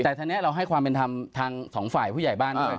แต่ทีนี้เราให้ความเป็นธรรมทางสองฝ่ายผู้ใหญ่บ้านด้วย